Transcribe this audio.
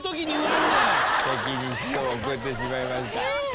敵に塩を送ってしまいました。